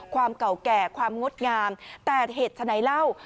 ความเก่าแก่ความงดงามแต่เหตุฉะไหนเล่า